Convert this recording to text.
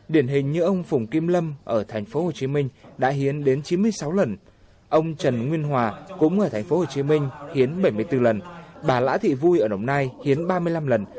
điển hình như ông phùng kim lâm ở tp hcm đã hiến đến chín mươi sáu lần ông trần nguyên hòa cũng ở tp hcm hiến bảy mươi bốn lần bà lã thị vui ở đồng nai hiến ba mươi năm lần